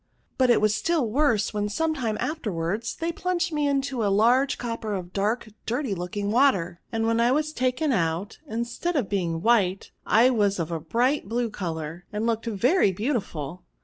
But it was still worse, when, some time afterwards, they plunged me into a large copper of dark dirty looking water ; and when I was taken out, instead of being white, I was of a bright blue colour, and looked very beautiful.